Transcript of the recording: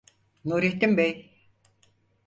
Nurettin bey: